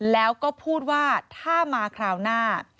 แล้วก็พูดว่าถ้ามาคราวหน้า